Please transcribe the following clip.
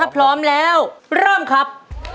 พร้อมไหมครับ